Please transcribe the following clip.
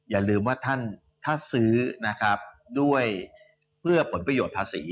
อย่าลืมว่าถ้าซื้อด้วยเพื่อประโยชน์ภาษี